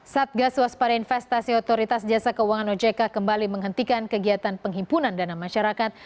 satgas waspada investasi otoritas jasa keuangan ojk kembali menghentikan kegiatan penghimpunan dana masyarakat